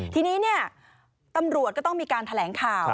ทีนี้ตำรวจก็ต้องมีการแถลงข่าว